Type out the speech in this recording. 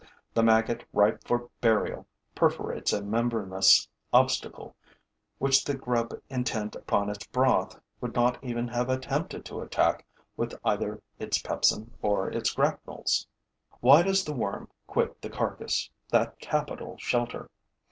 The maggot ripe for burial perforates a membranous obstacle which the grub intent upon its broth would not even have attempted to attack with either its pepsin or its grapnels. Why does the worm quit the carcass, that capital shelter?